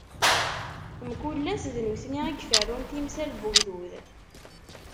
Mkul ass, d nutni i yeferrun timsal n ugdud.